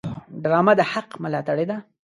ډرامه د حق ملاتړې ده